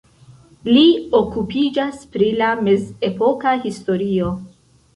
Li okupiĝas pri la mezepoka historio.